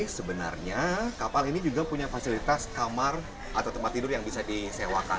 sebenarnya kapal ini juga punya fasilitas kamar atau tempat tidur yang bisa disewakan